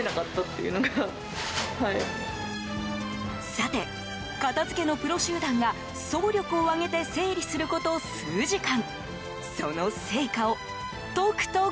さて、片付けのプロ集団が総力を挙げて整理すること数時間。